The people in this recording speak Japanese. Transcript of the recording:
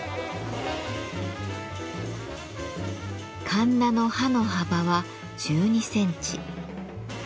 かんなの刃の幅は１２センチ。